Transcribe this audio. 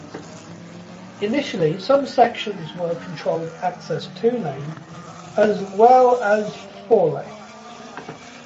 Initially, some sections were controlled access two-lane, as well as four-lane.